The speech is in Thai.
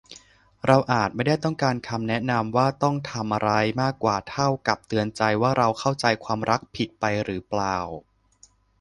เราอาจไม่ได้ต้องการคำแนะนำว่าต้อง 'ทำ' อะไร มากเท่ากับเตือนใจว่า เราเข้าใจความรักผิดไปหรือเปล่า